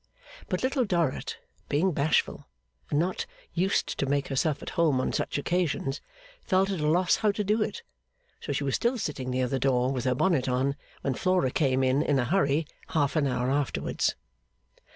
But Little Dorrit, being bashful, and not used to make herself at home on such occasions, felt at a loss how to do it; so she was still sitting near the door with her bonnet on, when Flora came in in a hurry half an hour afterwards.